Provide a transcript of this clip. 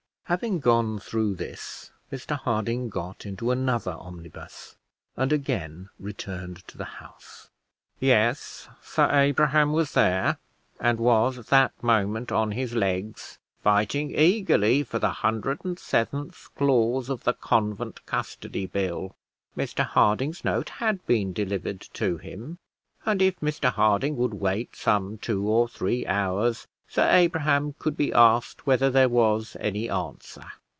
Having gone through this Mr Harding got into another omnibus, and again returned to the House. Yes, Sir Abraham was there, and was that moment on his legs, fighting eagerly for the hundred and seventh clause of the Convent Custody Bill. Mr Harding's note had been delivered to him; and if Mr Harding would wait some two or three hours, Sir Abraham could be asked whether there was any answer.